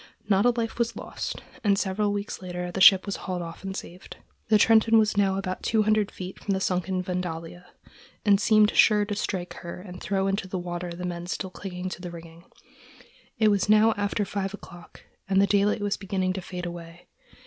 Not a life was lost, and several weeks later the ship was hauled off and saved. The Trenton was now about two hundred feet from the sunken Vandalia, and seemed sure to strike her and throw into the water the men still clinging to the rigging. It was now after five o'clock, and the daylight was beginning to fade away.